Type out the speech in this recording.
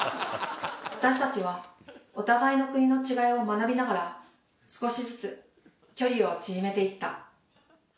私たちはお互いの国の違いを学びながら少しずつ距離を縮めていった。